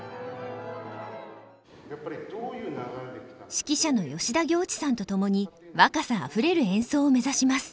指揮者の吉田行地さんと共に若さあふれる演奏を目指します。